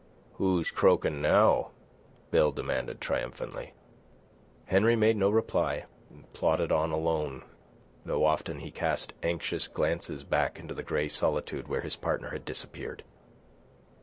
"Who's croaking now?" Bill demanded triumphantly. Henry made no reply, and plodded on alone, though often he cast anxious glances back into the grey solitude where his partner had disappeared.